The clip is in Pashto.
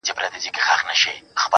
د زړه له درده درته وايمه دا~